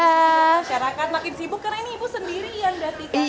masyarakat makin sibuk karena ini ibu sendiri yang datikan